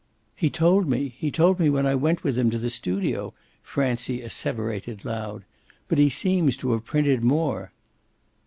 "He told me he told me when I went with him to the studio!" Francie asseverated loud. "But he seems to have printed more."